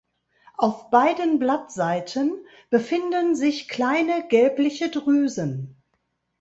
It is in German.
Auf beiden Blattseiten befinden sich kleine gelbliche Drüsen.